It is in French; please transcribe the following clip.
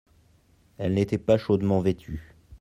Elle n'était pas chaudement vêtue.